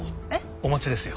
お待ちですよ。